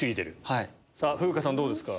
さぁ風花さんどうですか？